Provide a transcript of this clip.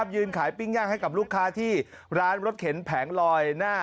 ยืนขายปิ๊งย่างให้ร้านรถเข็นแผงลอย